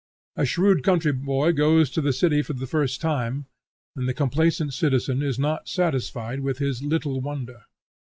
A shrewd country boy goes to the city for the first time, and the complacent citizen is not satisfied with his little wonder.